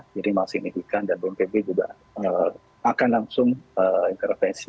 jadi masih signifikan dan bumtb juga akan langsung intervensi